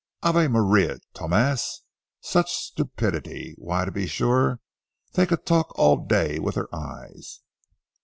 Ave Maria, Tomas! Such stupidity! Why, to be sure, they could talk all day with their eyes.